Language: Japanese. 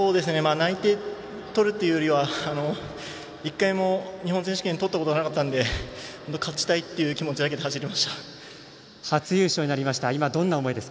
内定取るというよりは１回も日本選手権を取ったことなかったので勝ちたいという気持ちで初優勝です。